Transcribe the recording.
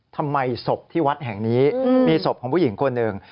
ทำไมศพที่วัดแห่งนี้มีศพของผู้หญิงคนหนึ่ง